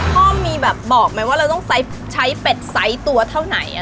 พ่อมีแบบบอกไหมว่าเราต้องใช้เป็ดไซส์ตัวเท่าไหน